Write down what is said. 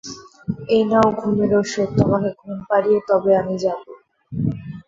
এই নাও ঘুমের ওষুধ, তোমাকে ঘুম পাড়িয়ে তবে আমি যাব।